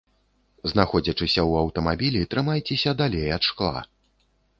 Знаходзячыся ў аўтамабілі, трымайцеся далей ад шкла.